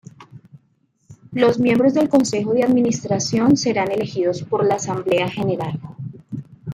Los miembros del Consejo de Administración serán elegidos por la Asamblea General.